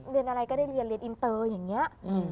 เรียนอะไรก็ได้เรียนเรียนอินเตอร์อย่างนี้